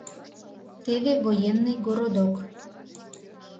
Теве военный городок.